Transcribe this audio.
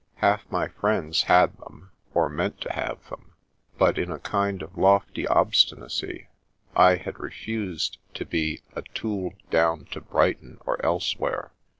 Half my friends had them, or meant to have them; but in a kind of lofty obstinacy I had re fused to be a " tooled down " to Brighton or else where.